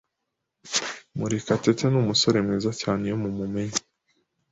Murekatete numusore mwiza cyane iyo mumumenye.